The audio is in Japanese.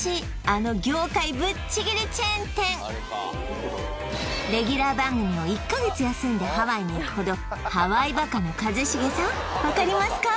あの業界ぶっちぎりチェーン店レギュラー番組を１カ月休んでハワイに行くほどハワイバカの一茂さん分かりますか？